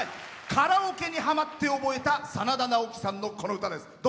カラオケにはまって覚えた真田ナオキさんの、この歌です。